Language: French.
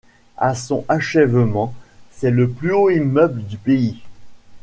À son achèvement, c'est le plus haut immeuble du pays.